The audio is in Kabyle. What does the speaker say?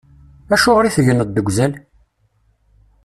Acuɣeṛ i tegneḍ deg uzal?